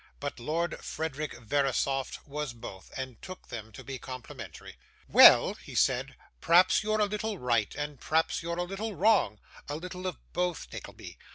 But Lord Frederick Verisopht was both, and took them to be complimentary. 'Well,' he said, 'p'raps you're a little right, and p'raps you're a little wrong a little of both, Nickleby.